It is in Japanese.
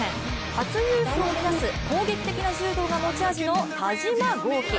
初優勝を目指す攻撃的な柔道が持ち味の田嶋剛希。